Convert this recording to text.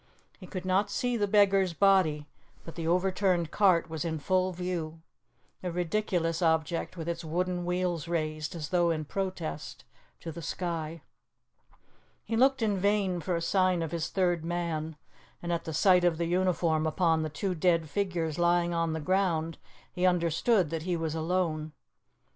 He could not see the beggar's body, but the overturned cart was in full view, a ridiculous object, with its wooden wheels raised, as though in protest, to the sky. He looked in vain for a sign of his third man, and at the sight of the uniform upon the two dead figures lying on the ground he understood that he was alone.